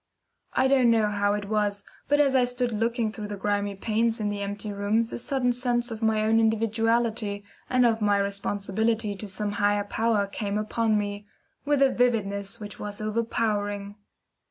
I don't know how it was, but as I stood looking through the grimy panes in the empty rooms a sudden sense of my own individuality and of my responsibility to some higher power came upon me, with a vividness which was overpowering.